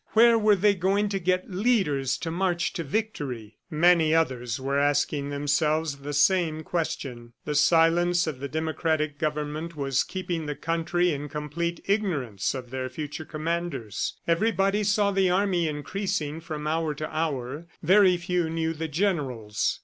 Where were they going to get leaders to march to victory? ... Many others were asking themselves the same question. The silence of the democratic government was keeping the country in complete ignorance of their future commanders. Everybody saw the army increasing from hour to hour: very few knew the generals.